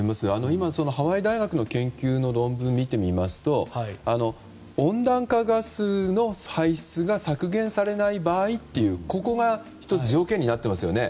今のハワイ大学の研究の論文を見てみますと温暖化ガスの排出が削減されない場合というここが１つ条件になっていますよね。